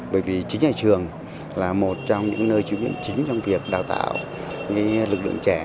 bởi vì chính nhà trường là một trong những nơi chứng minh chính trong việc đào tạo lực lượng trẻ